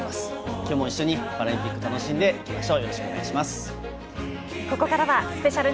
きょうも一緒にパラリンピック楽しんでいきましょう。